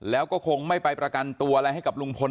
แล้วก็คงไม่ไปประกันตัวอะไรให้กับลุงพล